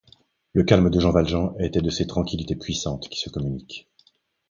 Le calme de Jean Valjean était de ces tranquillités puissantes qui se communiquent.